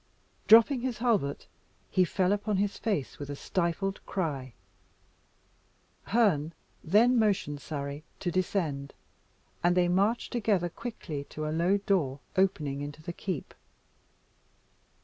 Dropping his halbert, he fell upon his face with a stifled cry Herne then motioned Surrey to descend, and they marched together quickly to a low door opening into the keep.